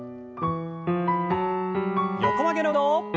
横曲げの運動。